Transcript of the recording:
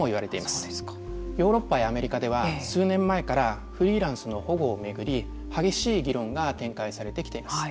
ヨーロッパやアメリカでは数年前からフリーランスの保護を巡り激しい議論が展開されてきています。